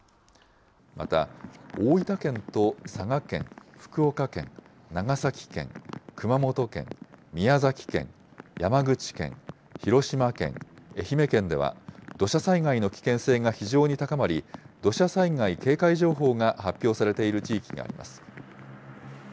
また、大分県と佐賀県、福岡県、長崎県、熊本県、宮崎県、山口県、広島県、愛媛県では、土砂災害の危険性が非常に高まり、土砂災害警戒情報が発表されている地域があります。